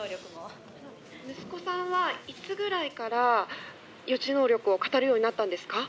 「息子さんはいつぐらいから予知能力を語るようになったんですか？」